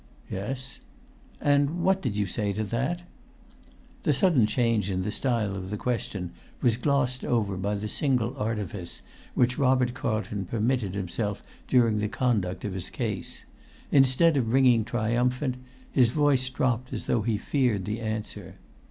"Yes." "And what did you say to that?" The sudden change in the style of the question was glossed over by the single artifice which Robert Carlton permitted himself during the conduct of his case: instead of ringing triumphant, his voice dropped as though he feared the answer.